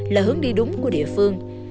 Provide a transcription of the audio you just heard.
là hướng đi đúng của địa phương